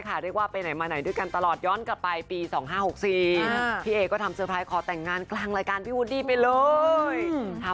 ก็พร้อมรันใจผู้จัดการส่วนตัวตัวเป็นเงาตามติดตลอด